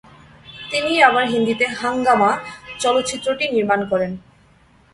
তিনিই আবার হিন্দিতে "হাঙ্গামা" চলচ্চিত্রটি নির্মাণ করেন।